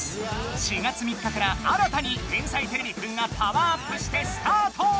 ４月３日から新たに「天才てれびくん」がパワーアップしてスタート！